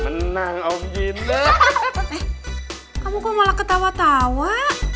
menengok jirah kamu mau ketawa tawa